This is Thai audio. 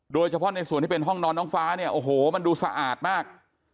โดยเฉพาะในส่วนที่เป็นห้องนอนน้องฟ้าเนี่ยโอ้โหมันดูสะอาดมาก